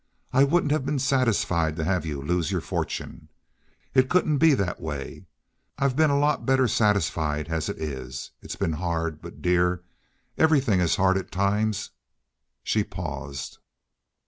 I wouldn't have been satisfied to have you lose your fortune. It couldn't be that way. I've been a lot better satisfied as it is. It's been hard, but, dear, everything is hard at times." She paused.